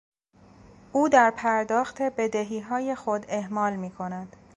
او در پرداخت بدهیهای خود اهمال میکند.